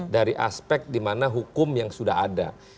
dari aspek dimana hukum yang sudah ada